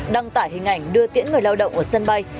đăng tải hình ảnh đưa tiễn người lao động ở sân bay